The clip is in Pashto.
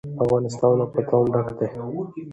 افغانستان له بادام ډک دی.